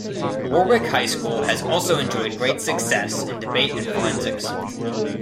Warwick High School has also enjoyed great success in debate and forensics.